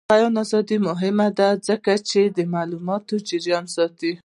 د بیان ازادي مهمه ده ځکه چې د معلوماتو جریان ساتي.